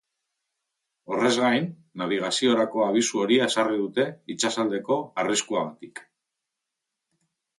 Horrez gain, nabigaziorako abisu horia ezarriko dute itsasaldeko arriskuagatik.